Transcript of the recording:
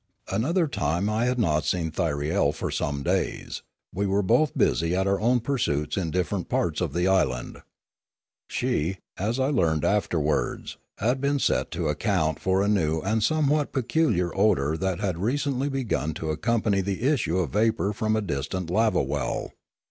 Another time I had not seen Thyriel for some days; we were both busy at our own pursuits in different parts of the island. She, as I learned afterwards, had been set to account for a new and somewhat peculiar odour that had recently begun to accompany the issue of vapour from a distant lava well.